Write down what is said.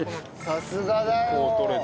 さすがだよ！